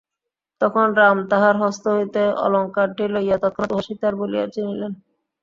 তখন রাম তাঁহার হস্ত হইতে অলঙ্কারটি লইয়া তৎক্ষণাৎ উহা সীতার বলিয়া চিনিলেন।